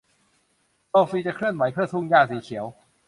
โซฟีจะเคลื่อนไหวเพื่อทุ่งหญ้าสีเขียว